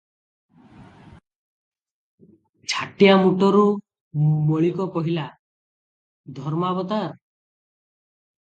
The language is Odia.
ଛାଟିଆମୁଟରୁ ମଳିକ କହିଲା, "ଧର୍ମାବତାର!